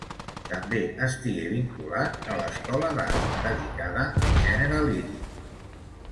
També estigué vinculat a l'Escola d’Art, dedicada al gènere líric.